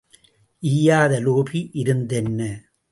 ஈயாத லோபி இருந்தென்ன?